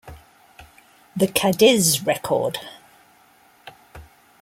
"The Cadiz Record"